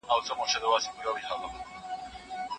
باور پيدا کول سخت دي.